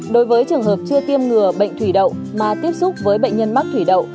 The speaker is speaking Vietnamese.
đối với trường hợp chưa tiêm ngừa bệnh thủy đậu mà tiếp xúc với bệnh nhân mắc thủy đậu